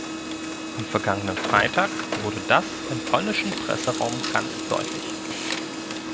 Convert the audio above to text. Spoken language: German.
Am vergangenen Freitag wurde das im polnischen Presseraum ganz deutlich.